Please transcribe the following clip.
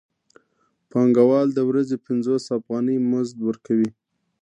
پانګوال د ورځې پنځوس افغانۍ مزد ورکوي